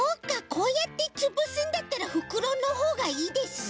こうやってつぶすんだったらふくろのほうがいいですね。